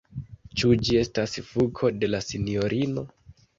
Ĉu ĝi estas kufo de la sinjorino.